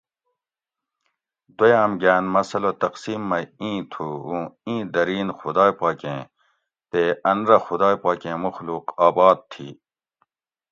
دویام گاۤن مسٔلہ تقسیم مئ اِیں تھو اُوں اِیں درین خدائی پاکیں تے ان رہ خدائی پاکیں مخلوق آباد تھی